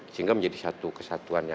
sehingga menjadi satu kesatuan yang utuh